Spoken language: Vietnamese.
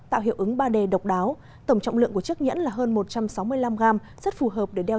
tạo hiệu ứng ba d độc đáo tổng trọng lượng của chiếc nhẫn là hơn một trăm sáu mươi năm gram rất phù hợp để đeo